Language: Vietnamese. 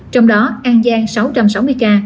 trong đó an giang sáu trăm sáu mươi ca